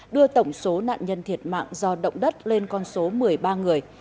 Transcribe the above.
đưa tổng số nạn nhân thiệt mạng do động đất lên con số một mươi ba người